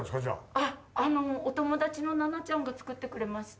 あのお友達のナナちゃんが作ってくれました。